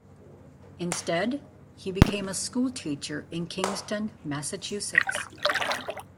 Instead, he became a school teacher in Kingston, Massachusetts.